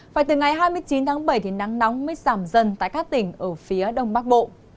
phải từ ngày hai mươi chín tháng bảy thì nắng nóng mới giảm dần tại các tỉnh ở phía đông bắc bộ